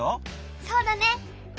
そうだね！